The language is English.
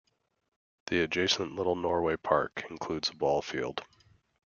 The adjacent Little Norway Park includes a ball field.